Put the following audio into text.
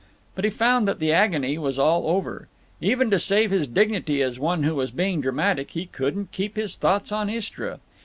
But he found that the agony was all over. Even to save his dignity as one who was being dramatic, he couldn't keep his thoughts on Istra.